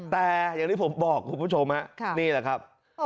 แต่อย่างที่ผมบอกคุณผู้ชมฮะนี่แหละครับ